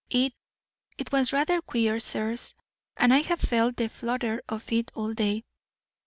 It it was rather queer, sirs, and I have felt the flutter of it all day.